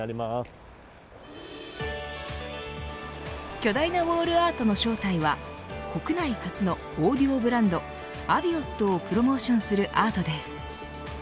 巨大なウォールアートの正体は国内初のオーディオブランドアビオットをプロモーションするアートです。